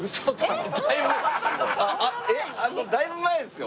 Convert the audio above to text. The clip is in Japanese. えっだいぶ前ですよ？